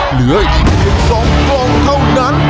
เหลืออีก๑กล่องเท่านั้น